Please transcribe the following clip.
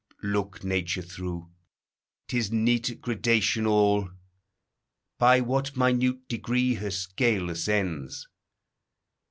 Look Nature through, 'tis neat gradation all. By what minute degrees her scale ascends!